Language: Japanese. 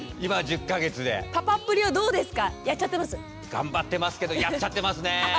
頑張ってますけどやっちゃってますね。